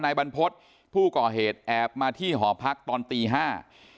นายบรรพฤษผู้ก่อเหตุแอบมาที่หอพักตอนตีห้า